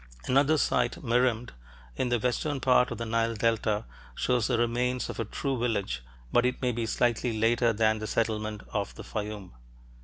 Another site, Merimde, in the western part of the Nile delta, shows the remains of a true village, but it may be slightly later than the settlement of the Fayum.